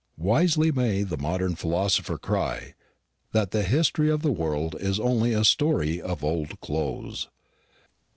Wisely may the modern philosopher cry that the history of the world is only a story of old clothes.